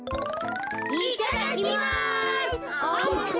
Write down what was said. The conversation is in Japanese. いただきます。